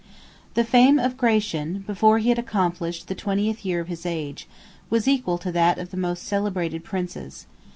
The fame of Gratian, before he had accomplished the twentieth year of his age, was equal to that of the most celebrated princes.